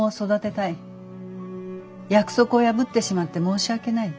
約束を破ってしまって申し訳ない」。